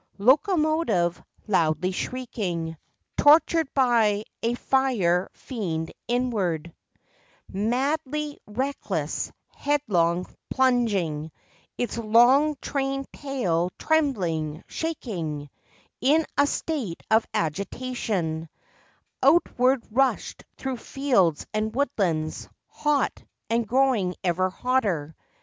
Locomotive, loudly shrieking, Tortured by a fire fiend inward— Madly reckless—headlong plunging— Its long train tail trembling, shaking, In a state of agitation— Onward rushed through fields and woodlands. Hot, and growing ever hotter